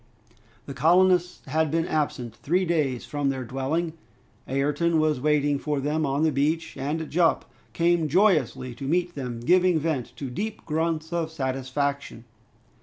The colonists had been absent three days from their dwelling. Ayrton was waiting for them on the beach, and Jup came joyously to meet them, giving vent to deep grunts of satisfaction.